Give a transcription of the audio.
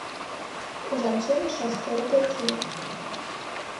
У жанчыны шасцёра дзяцей.